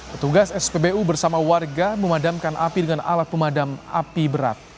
petugas spbu bersama warga memadamkan api dengan alat pemadam api berat